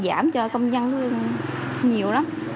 giảm cho công dân nhiều lắm